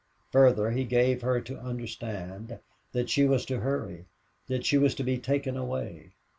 Further, he gave her to understand that she was to hurry, that she was to be taken away.